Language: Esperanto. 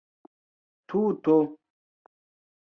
tuto